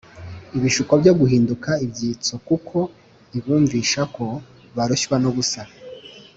ibishuko byo guhinduka ibyitso kuko ibumvisha ko barushywa n’ubusa